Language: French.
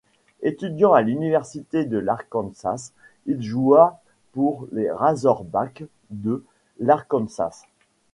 Étudiant à l'université de l'Arkansas, il joua pour les Razorbacks de l'Arkansas.